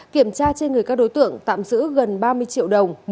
kiểm tra trên người các đối tượng tạm giữ gần ba mươi triệu đồng